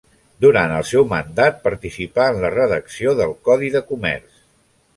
Durant el seu mandat participà en la redacció del Codi de Comerç.